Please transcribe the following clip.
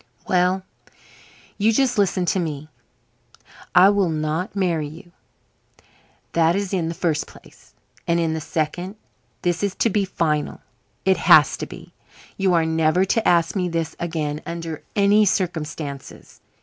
"Well, you just listen to me. I will not marry you. That is in the first place. And in the second, this is to be final. It has to be. You are never to ask me this again under any circumstances.